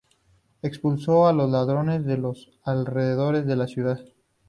Expulsó a los ladrones de los alrededores de la ciudad.